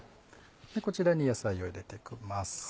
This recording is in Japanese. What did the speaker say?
こちらに野菜を入れてきます。